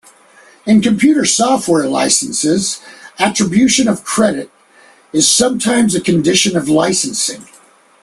In computer software licenses, attribution of credit is sometimes a condition of licensing.